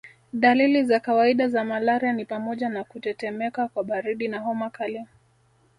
Dalili za kawaida za malaria ni pamoja na kutetemeka kwa baridi na homa kali